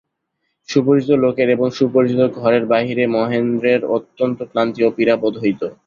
সুপরিচিত লোকের এবং সুপরিচিত ঘরের বাহিরে মহেন্দ্রের অত্যন্ত ক্লান্তি ও পীড়া বোধ হইত।